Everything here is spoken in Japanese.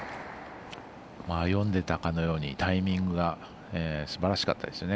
読んでたかのようにタイミングがすばらしかったですよね。